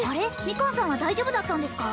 ミカンさんは大丈夫だったんですか？